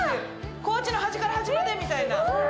高知の端から端ですみたいな。